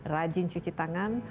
rajin cuci tangan